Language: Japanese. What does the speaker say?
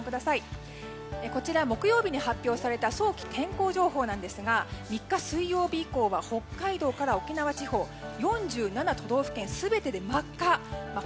こちら、木曜日に発表された早期天候情報なんですが３日、水曜日以降は北海道から沖縄地方までの４７都道府県で真っ赤です。